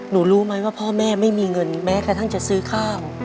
รู้ไหมว่าพ่อแม่ไม่มีเงินแม้กระทั่งจะซื้อข้าว